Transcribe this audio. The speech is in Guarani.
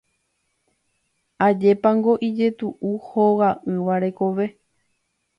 Ajépango ijetu'u hoga'ỹva rekove.